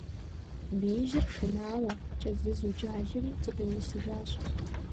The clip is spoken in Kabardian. Беижьыр шынауэ кӀэзызу, джалэри зыкъиумысыжащ.